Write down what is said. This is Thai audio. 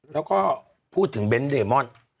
แล้วก็พูดถึงเบนท์เดมอน